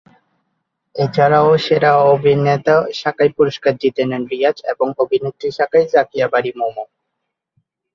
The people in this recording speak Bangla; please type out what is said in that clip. এছাড়াও সেরা অভিনেতা শাখায় পুরস্কার জিতে নেন রিয়াজ এবং অভিনেত্রী শাখায় জাকিয়া বারী মম।